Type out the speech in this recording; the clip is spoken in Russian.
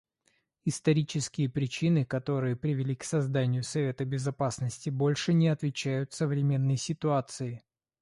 Исторические причины, которые привели к созданию Совета Безопасности, больше не отвечают современной ситуации.